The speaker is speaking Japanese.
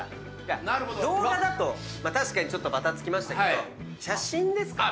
動画だと確かにばたつきましたけど写真ですから。